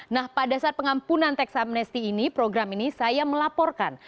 nah pada saat pengampunan teks amnesti ini program ini saya melaporkan